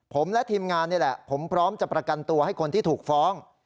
ผมและทีมงานนี่แหละผมพร้อมจะประกันตัวให้คนที่ถูกฟ้อง